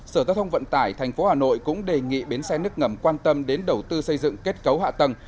sở giao thông vận tải tp hà nội cũng đề nghị bến xe nước ngầm quan tâm đến đầu tư xây dựng kết cấu hạ tầng